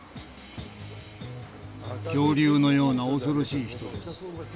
「恐竜のような恐ろしい人です」。